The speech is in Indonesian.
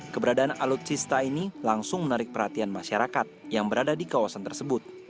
keberadaan alutsista ini langsung menarik perhatian masyarakat yang berada di kawasan tersebut